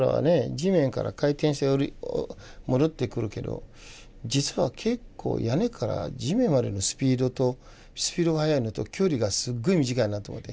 地面から回転して戻ってくるけど実は結構屋根から地面までのスピードが速いのと距離がすっごい短いなと思って。